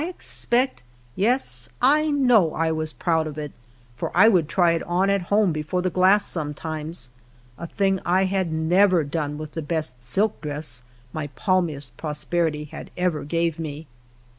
1 expect, yes, I know, I was proud of it, for I would try it on at home before the glass sometimes, a thing I had never done with the best silk dress my palm iest prosperity had ever gave me.